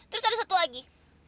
terus ada satu lagi